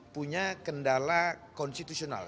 punya kendala konstitusional